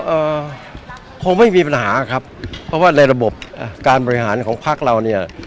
เอ่อคงไม่มีปัญหาครับเพราะว่าในระบบอ่าการบริหารของพักเราเนี่ย